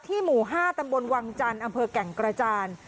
หมู่๕ตำบลวังจันทร์อำเภอแก่งกระจาน